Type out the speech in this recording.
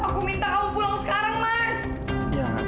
aku minta aku pulang sekarang mas